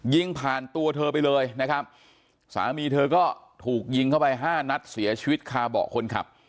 ยิงผ่านตัวเธอไปเลยนะครับสามีเธอก็ถูกยิงเข้าไปห้านัดเสียชีวิตคาเบาะคนขับ